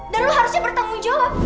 dan lu harusnya bertanggung jawab